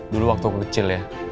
dulu waktu kecil ya